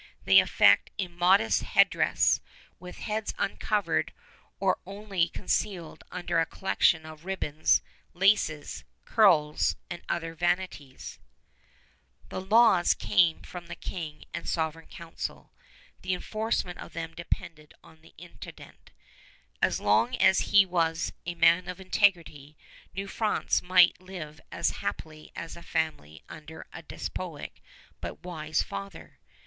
"They affect immodest headdress, with heads uncovered or only concealed under a collection of ribbons, laces, curls, and other vanities." [Illustration: LAVAL (After the portrait in Laval University, Quebec)] The laws came from the King and Sovereign Council. The enforcement of them depended on the Intendant. As long as he was a man of integrity, New France might live as happily as a family under a despotic but wise father.